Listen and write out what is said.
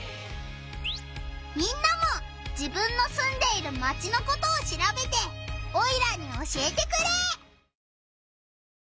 みんなも自分のすんでいるマチのことをしらべてオイラに教えてくれ！